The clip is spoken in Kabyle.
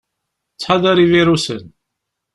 Ttḥadar ivirusen!